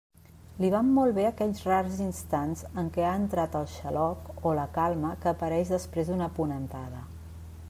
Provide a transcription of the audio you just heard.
Li van molt bé aquells rars instants en què ha entrat el xaloc o la calma que apareix després d'una ponentada.